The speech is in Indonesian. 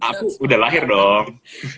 aku udah lahir dong